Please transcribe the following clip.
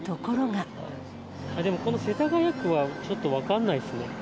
でもこの世田谷区はちょっと分かんないですね。